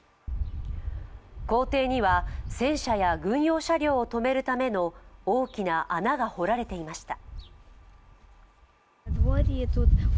校庭には戦車や軍用車両尾止めるための大きな穴が掘られていました。